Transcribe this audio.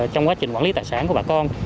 trong quá trình quản lý tài sản của bà con